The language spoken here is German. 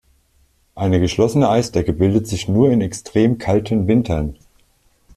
Eine geschlossene Eisdecke bildet sich nur in extrem kalten Wintern.